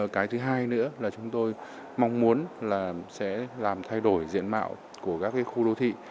cái thứ hai nữa là chúng tôi mong muốn là sẽ làm thay đổi diện mạo của các khu đô thị